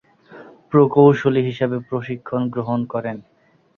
প্রকৌশলী হিসেবে প্রশিক্ষণ গ্রহণ করেন।